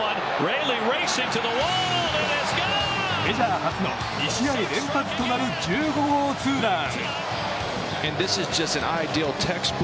メジャー初の２試合連発となる１５号ツーラン！